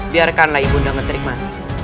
biarkanlah ibu dan ketering manik